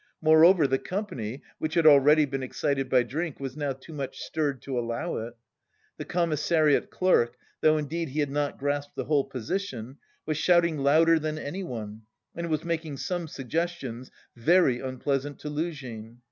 Moreover, the company, which had already been excited by drink, was now too much stirred to allow it. The commissariat clerk, though indeed he had not grasped the whole position, was shouting louder than anyone and was making some suggestions very unpleasant to Luzhin.